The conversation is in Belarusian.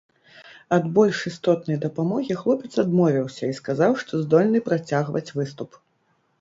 Ад больш істотнай дапамогі хлопец адмовіўся і сказаў, што здольны працягваць выступ.